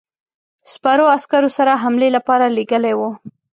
سپرو عسکرو سره حملې لپاره لېږلی وو.